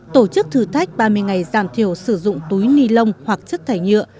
tổ chức thử thách ba mươi ngày giảm thiểu sử dụng túi ni lông hoặc chất thải nhựa